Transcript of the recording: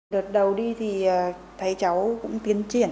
đợt đầu đi thì thấy cháu cũng tiến triển